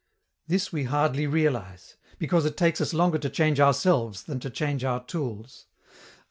This we hardly realize, because it takes us longer to change ourselves than to change our tools.